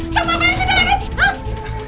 sama apaan sih sarkadit